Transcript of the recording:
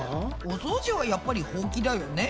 お掃除はやっぱりほうきだよね。